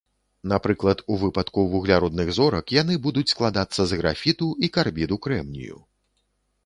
Напрыклад, у выпадку вугляродных зорак, яны будуць складацца з графіту і карбіду крэмнію.